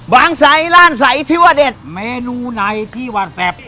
บางสายร้านสายที่ว่าเด็ดเมนูไหนที่ว่าแซ่บ